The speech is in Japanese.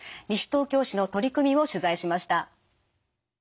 西東京市の取り組みを取材しました。